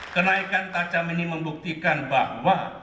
kenaikan tajam ini membuktikan bahwa